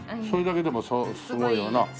それだけでもすごいよな。